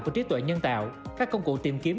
của trí tuệ nhân tạo các công cụ tìm kiếm